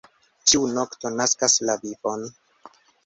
Ĉiu nokto naskas la vivon.